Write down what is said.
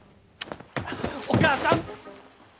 お母さん！